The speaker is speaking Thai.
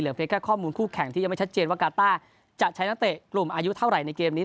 เพียงแค่ข้อมูลคู่แข่งที่ยังไม่ชัดเจนว่ากาต้าจะใช้นักเตะกลุ่มอายุเท่าไหร่ในเกมนี้